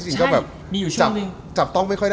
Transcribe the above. หาเบอร์พี่เพชรมาด้วย